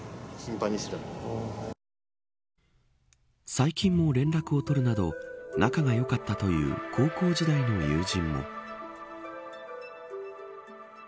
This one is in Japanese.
最近も連絡を取るなど仲が良かったという高校時代の友人。